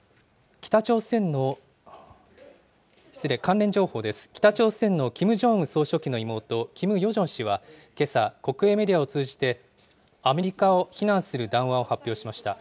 北朝鮮のキム・ジョンウン総書記の妹、キム・ヨジョン氏は、けさ、国営メディアを通じて、アメリカを非難する談話を発表しました。